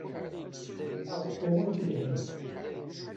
Ad aɣ-d-tawimt lhemm.